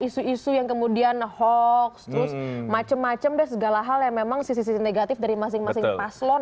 isu isu yang kemudian hoax terus macam macam deh segala hal yang memang sisi sisi negatif dari masing masing paslon